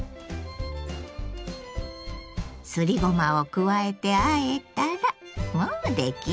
すりごまを加えてあえたらもう出来上がり。